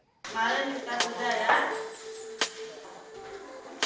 kemana yang lebih besar